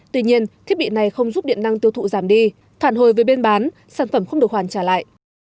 tuy nhiên thiết bị này không giúp điện năng tiêu thụ giảm đi phản hồi với bên bán sản phẩm không được hoàn trả lại